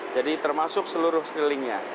jadi termasuk seluruh kelilingnya